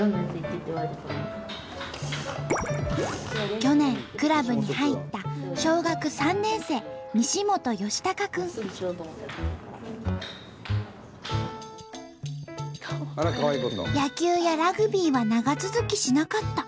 去年クラブに入った小学３年生野球やラグビーは長続きしなかった。